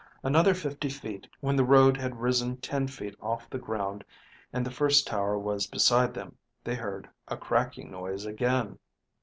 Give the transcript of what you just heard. Another fifty feet, when the road had risen ten feet off the ground and the first tower was beside them, they heard a cracking noise again.